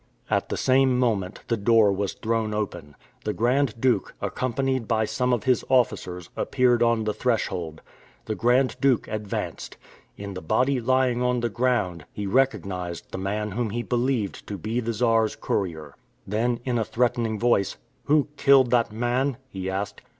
At the same moment, the door was thrown open. The Grand Duke, accompanied by some of his officers, appeared on the threshold. The Grand Duke advanced. In the body lying on the ground, he recognized the man whom he believed to be the Czar's courier. Then, in a threatening voice, "Who killed that man?" he asked.